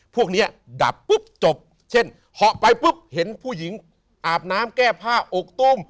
พวกนี้ดับปุ๊บจบเช่นเหาะไปปุ๊บเห็นผู้หญิงอาบน้ำแก้ผ้าอกต้ม